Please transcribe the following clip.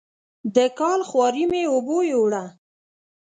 د کال خواري مې اوبو یووړه.